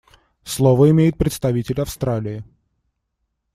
Слово имеет представитель Австралии.